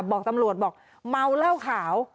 บอกตำรวจบอกเมาเหล้าขาว